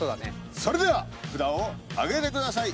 それでは札を挙げてください。